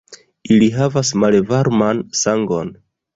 Ili havas malvarman sangon.